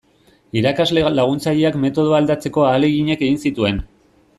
Irakasle laguntzaileak metodoa aldatzeko ahaleginak egin zituen.